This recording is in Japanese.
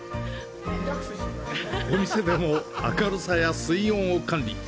お店でも明るさや水温を管理。